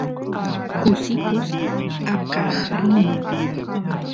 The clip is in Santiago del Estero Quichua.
kusikus aqaq rini